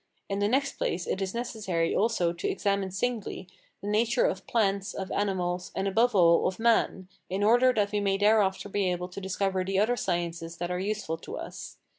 In the next place it is necessary also to examine singly the nature of plants, of animals, and above all of man, in order that we may thereafter be able to discover the other sciences that are useful to us.